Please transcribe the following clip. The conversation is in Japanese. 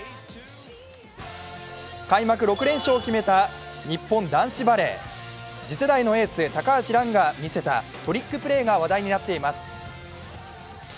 開幕６連勝を決めた日本男子バレー次世代のエース、高橋藍が見せたトリックプレーが話題になっています。